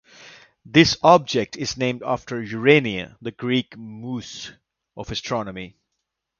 This object is named after Urania, the Greek Muse of astronomy.